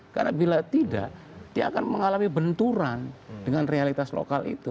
karena bila tidak dia akan mengalami benturan dengan realitas lokal itu